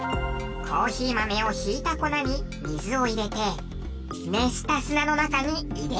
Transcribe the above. コーヒー豆をひいた粉に水を入れて熱した砂の中に入れるだけ。